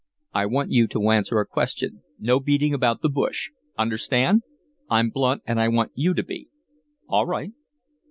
"I want you to answer a question. No beating about the bush. Understand? I'm blunt, and I want you to be." "All right."